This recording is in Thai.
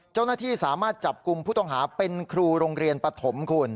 เจ้าหน้าที่สามารถจับกลุ่มผู้ต้องหาเป็นครูโรงเรียนปฐมคุณ